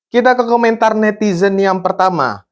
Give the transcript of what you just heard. kita ke komentar netizen yang pertama